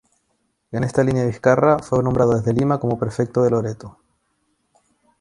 En esta línea Vizcarra fue nombrado desde Lima como prefecto de Loreto.